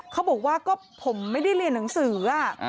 เขาบอกว่าก็ผมไม่ได้เรียนหนังสือ